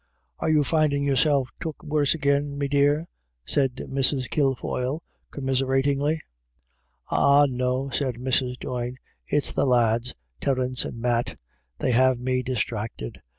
" Are you findin' yourself took worse agin, me dear?" said Mrs. Kilfoyle, commiseratingly. w Ah no," said Mrs. Doyne, " it's the lads, Terence i 180 IRISH IDYLLS. and Matt ; they have me distracted.